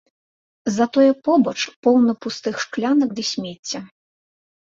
Затое побач поўна пустых шклянак ды смецця.